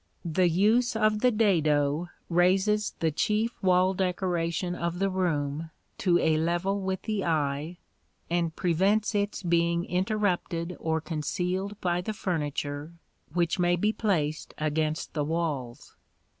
The use of the dado raises the chief wall decoration of the room to a level with the eye and prevents its being interrupted or concealed by the furniture which may be placed against the walls.